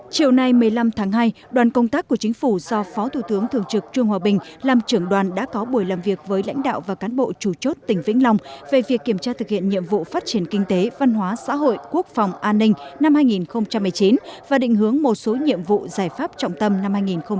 chiều nay một mươi năm tháng hai đoàn công tác của chính phủ do phó thủ tướng thường trực trương hòa bình làm trưởng đoàn đã có buổi làm việc với lãnh đạo và cán bộ chủ chốt tỉnh vĩnh long về việc kiểm tra thực hiện nhiệm vụ phát triển kinh tế văn hóa xã hội quốc phòng an ninh năm hai nghìn một mươi chín và định hướng một số nhiệm vụ giải pháp trọng tâm năm hai nghìn hai mươi